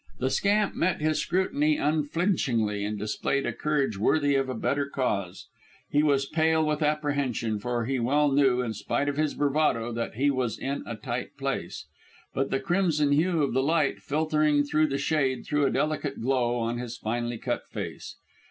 The scamp met his scrutiny unflinchingly, and displayed a courage worthy of a better cause. He was pale with apprehension, for he well knew, in spite of his bravado, that he was in a tight place. But the crimson hue of the light filtering through the shade threw a delicate glow on his finely cut face.